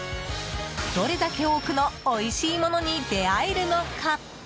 どれだけ多くのおいしいものに出会えるのか。